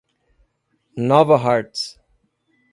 Nova Hartz